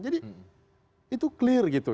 jadi itu clear gitu